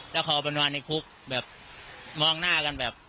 แล้วเขาอุบันวันในคุกแบบมองหน้ากันแบบ